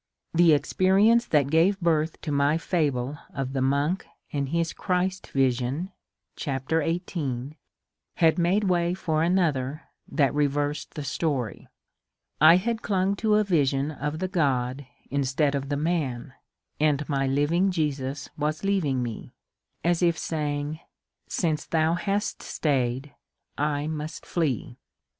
The experience that gave birth to my fable of the monk and his Christ vision (chapter xviii) had made way for another that reversed the story. I had clung to a vision of the god instead of the man, and my living Jesus was leaving me, — as if saying, *^ Since thou hast stayed I must flee."